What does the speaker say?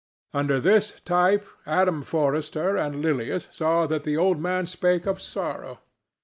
Under this type Adam Forrester and Lilias saw that the old man spake of sorrow.